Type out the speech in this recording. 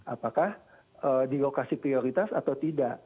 apakah di lokasi prioritas atau tidak